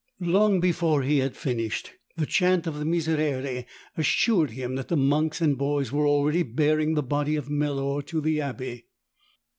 Long before he had finished, the chant of the Miserere assured him that the monks and boys were already bearing the body of Melor to the abbey.